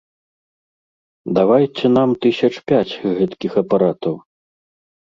Давайце нам тысяч пяць гэткіх апаратаў.